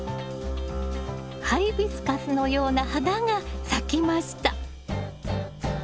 ハイビスカスのような花が咲きました。